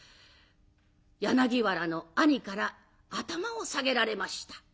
柳原の兄から頭を下げられました。